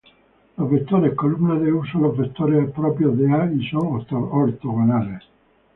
Los vectores columna de "U" son los vectores propios de A y son ortogonales.